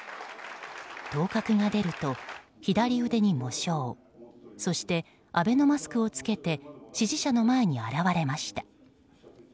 当確が出ると、左腕に喪章そしてアベノマスクを着けて支持者の前に現れました。